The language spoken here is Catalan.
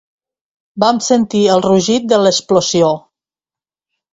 Vam sentir el rugit de l'explosió